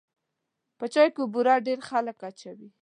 په چای کې بوره ډېر خلک اچوي.